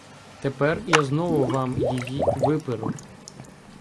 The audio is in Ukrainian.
Тепер я знову вам її виперу.